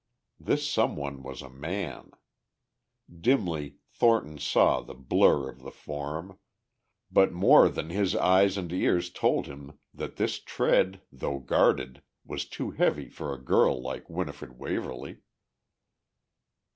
This some one was a man. Dimly Thornton saw the blur of the form, but more than his eyes his ears told him that this tread, though guarded, was too heavy for a girl like Winifred Waverly.